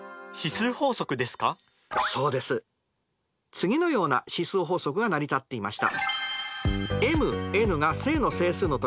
次のような指数法則が成り立っていました。